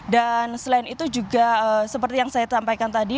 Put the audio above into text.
dan selain itu juga seperti yang saya sampaikan tadi